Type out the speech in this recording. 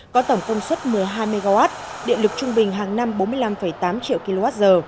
có tổng công suất một mươi hai mw điện lực trung bình hàng năm bốn mươi năm tám triệu kwh